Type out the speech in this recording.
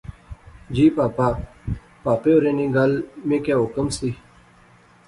جی پہاپا۔ پہاپے ہوریں نی گل میں کیا حکم سی